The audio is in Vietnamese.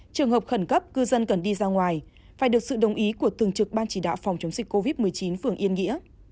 trường hợp khẩn cấp cư dân cần đi ra ngoài phải được sự đồng ý của tường trực ban chỉ đạo phòng chống dịch covid một mươi chín phường yên nghĩa